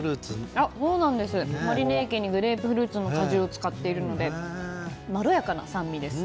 マリネ液にグレープフルーツの果汁を使っていてまろやかな酸味です。